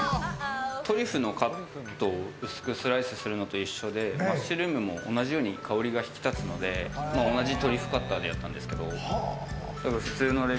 トリュフのカットを薄くするのと一緒でマッシュルームも香りが引き立つので同じトリュフカッターでやったんですけど。